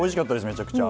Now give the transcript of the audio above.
めちゃくちゃ。